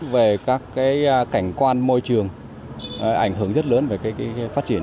về các cái cảnh quan môi trường ảnh hưởng rất lớn về cái phát triển